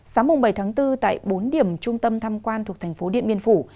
sáng mùng bảy tháng bốn tại bốn điểm trung tâm tham quan thuộc tp điện biên phủ